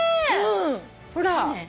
ほら。